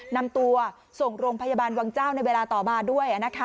นำตัวส่งโรงพยาบาลวังเจ้าในเวลาต่อมาด้วย